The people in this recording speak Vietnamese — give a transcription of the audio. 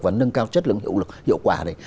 và nâng cao chất lượng hiệu quả này